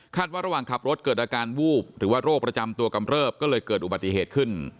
ว่าระหว่างขับรถเกิดอาการวูบหรือว่าโรคประจำตัวกำเริบก็เลยเกิดอุบัติเหตุขึ้น